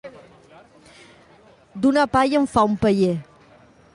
D'una palla en fa un paller.